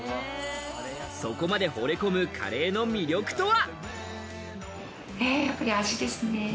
そこまで惚れ込むカレーの魅力とは？